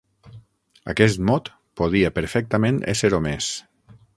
Aquest mot podia perfectament ésser omès.